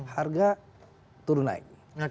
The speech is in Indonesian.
harga turun naik